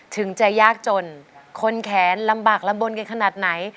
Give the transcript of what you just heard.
ถึงจะยากจนคนแขนลำบากลำบลกันขนาดไหน